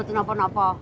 ini tidak ada apa apa